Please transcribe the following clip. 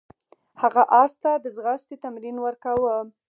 هغه اس ته د ځغاستې تمرین ورکاوه.